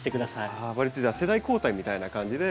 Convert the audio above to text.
わりとじゃあ世代交代みたいな感じで。